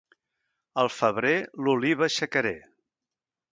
Al febrer, l'oliva aixecaré.